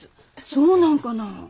そうなんかな？